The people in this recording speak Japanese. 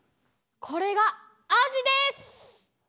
これがあじです！